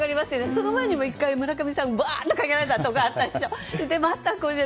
その前にも１回、村上さんがかけられたりもあったでしょ。